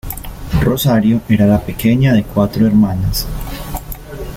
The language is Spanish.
Rosario era la pequeña de cuatro hermanas.